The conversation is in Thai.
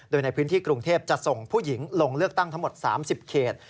โดยในพื้นที่กรุงเทพจะส่งผู้หญิงลงเลือกตั้งทั้งหมด๓๐เขต